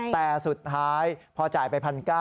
แต่สุดท้ายพอจ่ายไป๑๙๐๐